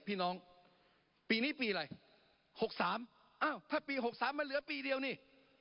พี่น้องปีนี้ปีอะไร๖๓อ้าวถ้าปี๖๓มันเหลือปีเดียวนี่